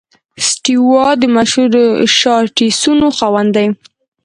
سټیو وا د مشهور شاټسونو خاوند دئ.